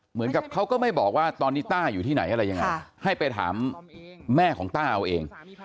เหมือนกับเขาก็ไม่บอกว่าตอนนี้ต้าอยู่ที่ไหนอะไรยังไงให้ไปถามแม่ของต้าเอาเอง